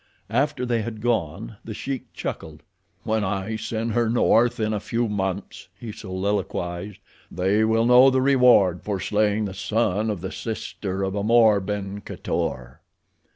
After they had gone The Sheik chuckled. "When I send her north in a few months," he soliloquized, "they will know the reward for slaying the son of the sister of Amor ben Khatour."